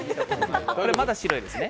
まだ白いですね。